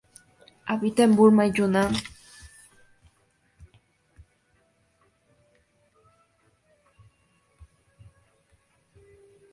Habita en Burma y Yunnan.